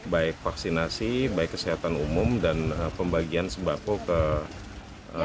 baik vaksinasi baik kesehatan umum dan pembagian sembako ke masyarakat